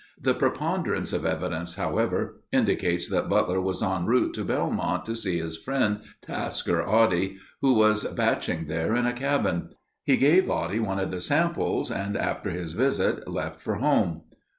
The preponderance of evidence, however, indicates that Butler was en route to Belmont to see his friend, Tasker Oddie, who was batching there in a cabin. He gave Oddie one of the samples and after his visit, left for home.